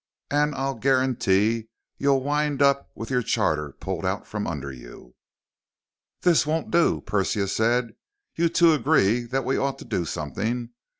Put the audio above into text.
And I'll guarantee you you'll wind up with your charter pulled out from under you!" "This won't do," Persia said. "You two agree that we ought to do something.